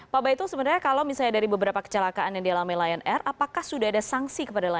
pak baitul sebenarnya kalau misalnya dari beberapa kecelakaan yang dialami lion air apakah sudah ada sanksi kepada lain